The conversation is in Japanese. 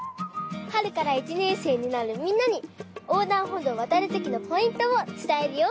はるから１ねんせいになるみんなにおうだんほどうをわたるときのポイントをつたえるよ！